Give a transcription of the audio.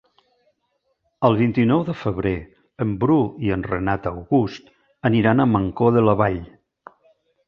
El vint-i-nou de febrer en Bru i en Renat August aniran a Mancor de la Vall.